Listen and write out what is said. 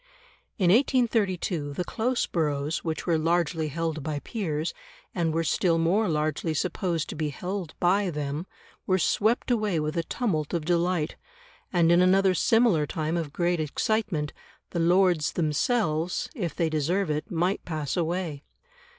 In 1832 the close boroughs, which were largely held by peers, and were still more largely supposed to be held by them, were swept away with a tumult of delight; and in another similar time of great excitement, the Lords themselves, if they deserve it, might pass away.